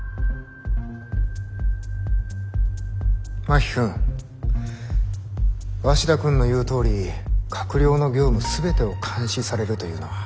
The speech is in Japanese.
真木君鷲田君の言うとおり閣僚の業務全てを監視されるというのは。